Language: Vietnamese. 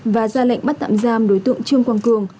và ra lệnh bắt tạm giam đối tượng trương quang cường